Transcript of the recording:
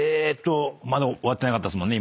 まだ終わってなかったですもんね